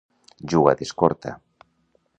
Juga d'escorta.